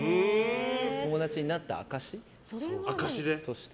友達になった証しとして。